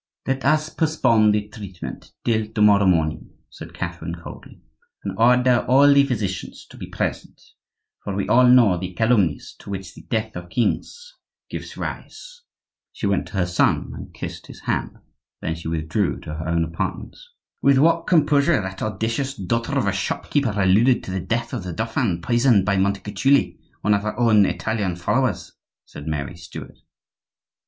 "Let us postpone the treatment till to morrow morning," said Catherine, coldly, "and order all the physicians to be present; for we all know the calumnies to which the death of kings gives rise." She went to her son and kissed his hand; then she withdrew to her own apartments. "With what composure that audacious daughter of a shop keeper alluded to the death of the dauphin, poisoned by Montecuculi, one of her own Italian followers!" said Mary Stuart.